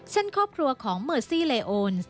ครอบครัวของเมอร์ซี่เลโอน